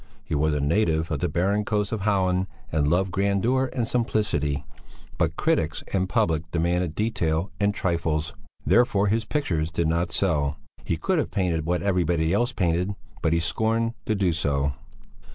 He was a native of the barren coast of Halland and loved grandeur and simplicity; but critics and public demanded detail and trifles; therefore his pictures did not sell; he could have painted what everybody else painted, but he scorned to do so.